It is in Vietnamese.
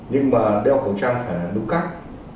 nhưng mà đeo khẩu trang phải là đúng cách